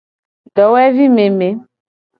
Dowevi meme.